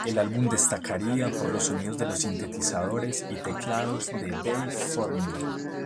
El álbum destacaría por los sonidos de los sintetizadores y teclados de Dave Formula.